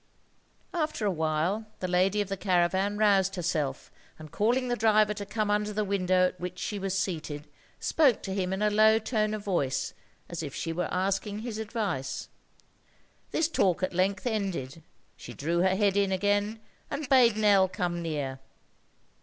After a while the lady of the caravan roused herself, and calling the driver to come under the window at which she was seated, spoke to him in a low tone of voice, as if she were asking his advice. This talk at length ended, she drew in her head again, and bade Nell come near.